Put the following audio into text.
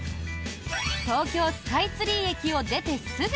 とうきょうスカイツリー駅を出てすぐ！